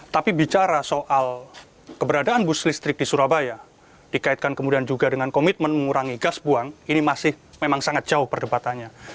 tapi bicara soal keberadaan bus listrik di surabaya dikaitkan kemudian juga dengan komitmen mengurangi gas buang ini masih memang sangat jauh perdebatannya